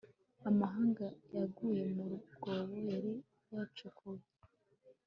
amahanga yaguye mu rwobo yari yacukuye